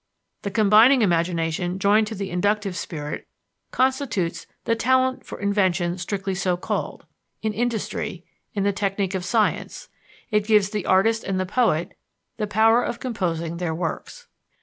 The combining imagination joined to the inductive spirit constitutes "the talent for invention strictly so called," in industry, in the technique of science; it gives the artist and the poet the power of composing their works.